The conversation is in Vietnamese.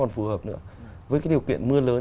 phù hợp nữa với cái điều kiện mưa lớn